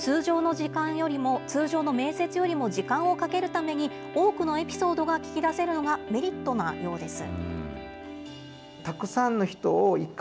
通常の面接よりも時間をかけるために、多くのエピソードが聞き出せるのがメリットなようです。